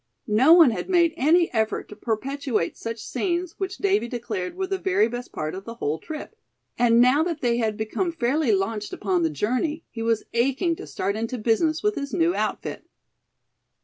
No one had made any effort to perpetuate such scenes which Davy declared were the very best part of the whole trip. And now that they had become fairly launched upon the journey he was aching to start into business with his new outfit.